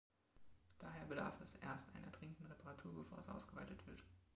Daher bedarf es erst einer dringenden Reparatur, bevor es ausgeweitet wird!